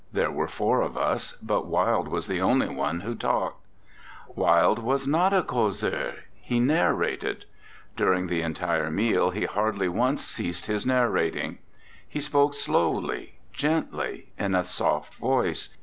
There were four of us, but Wilde was the only one who talked. Wilde was not a causeur\ he narrated. During the entire meal he hardly once ceased his narrating. He spoke slowly, gently, in a soft voice.